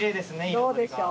どうでしょう。